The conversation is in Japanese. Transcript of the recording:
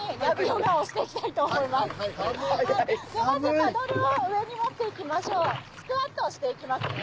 パドルを上に持って行きましょうスクワットをして行きますね。